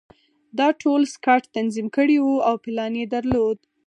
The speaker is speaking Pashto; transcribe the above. دا ټول سکاټ تنظیم کړي وو او پلان یې درلود